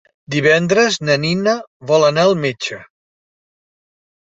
Divendres na Nina vol anar al metge.